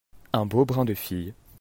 Un beau brin de fille.